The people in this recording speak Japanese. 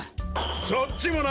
そっちもな。